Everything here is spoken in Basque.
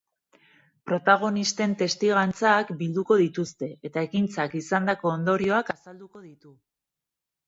Protagonisten testigantzak bilduko dituzte eta ekintzak izandako ondorioak azalduko ditu.